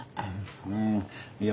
うんいや